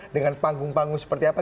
dengan panggung panggung seperti apa